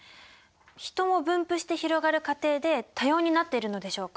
ヒトも分布して広がる過程で多様になっているのでしょうか？